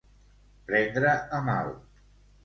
Prendre a mal.